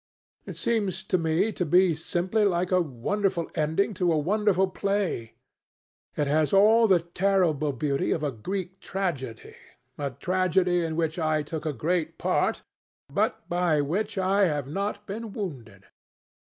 It seems to me to be simply like a wonderful ending to a wonderful play. It has all the terrible beauty of a Greek tragedy, a tragedy in which I took a great part, but by which I have not been wounded."